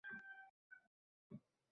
«Qiziq kampir ekan…»